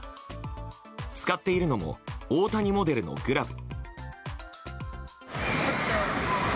使っているのも大谷モデルのグラブ。